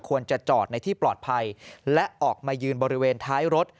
ควรจะจอดในที่ปลอดภัยและออกมายืนบริเวณท้ายรถ